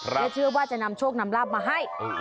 และเชื่อว่าจะนำโชคนำลาบมาให้